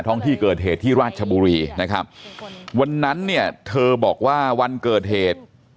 ห้องที่เกิดเหตุที่ราชบุรีนะครับวันนั้นเนี่ยเธอบอกว่าวันเกิดเหตุ